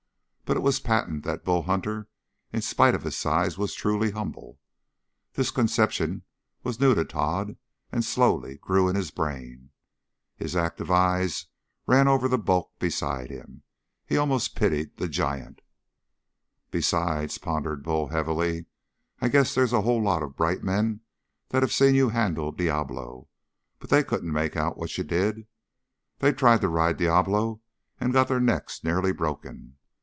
But it was patent that Bull Hunter, in spite of his size, was truly humble. This conception was new to Tod and slowly grew in his brain. His active eyes ran over the bulk beside him; he almost pitied the giant. "Besides," pondered Bull heavily, "I guess there's a whole lot of bright men that have seen you handle Diablo, but they couldn't make out what you did. They tried to ride Diablo and got their necks nearly broken.